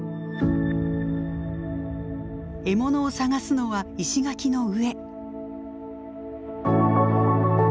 獲物を探すのは石垣の上。